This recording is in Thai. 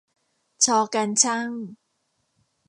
ช การช่าง